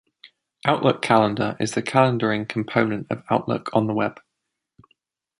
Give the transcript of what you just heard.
Outlook Calendar is the calendaring component of Outlook on the web.